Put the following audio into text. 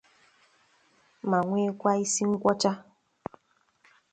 ma nwekwa isi nkwọcha